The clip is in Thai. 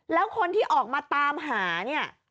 แล้วคนที่ออกมาตามหาเนี่ย